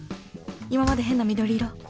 ［今まで変な緑色。